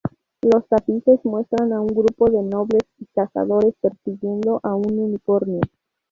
Los tapices muestran a un grupo de nobles y cazadores persiguiendo a un unicornio.